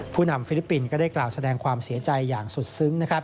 นำฟิลิปปินส์ก็ได้กล่าวแสดงความเสียใจอย่างสุดซึ้ง